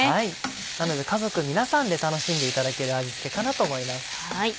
なので家族皆さんで楽しんでいただける味付けかなと思います。